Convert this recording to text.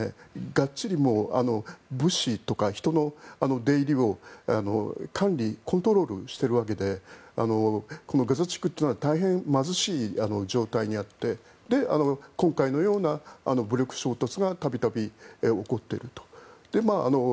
がっちり物資とか人の出入りを管理コントロールしているわけでこのガザ地区というのは大変貧しい状態にあって今回のような武力衝突が度々起こっていると。